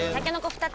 ２つ！